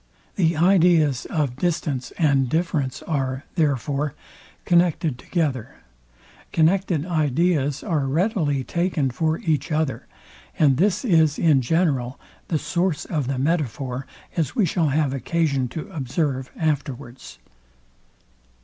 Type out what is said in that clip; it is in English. The ideas of distance and difference are, therefore, connected together. Connected ideas are readily taken for each other; and this is in general the source of the metaphor, as we shall have occasion to observe afterwards.